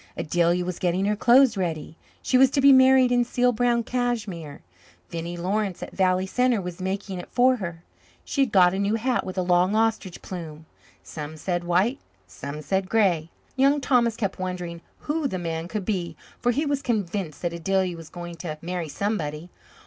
Adelia was getting her clothes ready; she was to be married in seal brown cashmere; Vinnie Lawrence at Valley Centre was making it for her; she had got a new hat with a long ostrich plume; some said white, some said grey. Young Thomas kept wondering who the man could be, for he was convinced that Adelia was going to marry somebody.